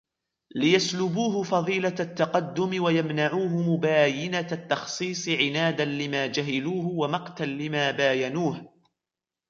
لِيَسْلُبُوهُ فَضِيلَةَ التَّقَدُّمِ وَيَمْنَعُوهُ مُبَايِنَةَ التَّخْصِيصِ عِنَادًا لِمَا جَهِلُوهُ وَمَقْتًا لِمَا بَايَنُوهُ